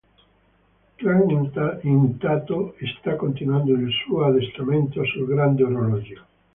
Clank, intanto, sta continuando il suo addestramento sul Grande Orologio.